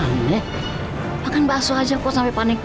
aneh makan bakso aja kok sampai panik